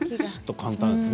簡単ですね。